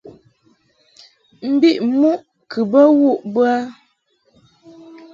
Mbiʼ muʼ kɨ bə wuʼ bə a .